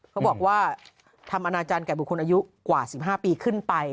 เขาบอกว่าทำอนาจารย์แก่บุคคลอายุกว่า๑๕ปีขึ้นไป